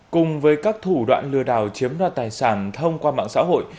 cùng với các thủ đoạn lừa đảo chiếm đoạt tài sản thông qua mạng xã hội